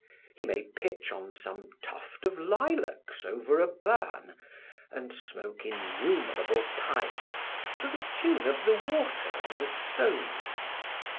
He may pitch on some tuft of lilacs over a burn, and smoke innumerable pipes to the tune of the water on the stones.